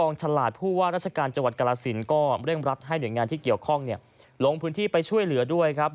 กองฉลาดพูดว่าราชการกรัศนิยมก็เรียกรับให้เหนื่อยงานที่เกี่ยวข้องลงพื้นที่ไปช่วยเหลือด้วยครับ